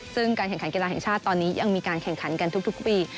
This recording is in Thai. ซึ่งการแข่งขันกีฬาแห่งชาติตอนนี้ยังมีการแข่งขันกันทุกปี